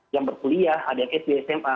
yang berkuliah ada yang sd sma